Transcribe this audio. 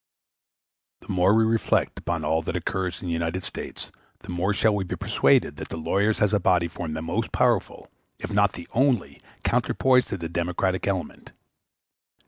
The more we reflect upon all that occurs in the United States the more shall we be persuaded that the lawyers as a body form the most powerful, if not the only, counterpoise to the democratic element.